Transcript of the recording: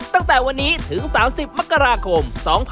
ตั้งแต่วันนี้ถึง๓๐มกราคม๒๕๖๒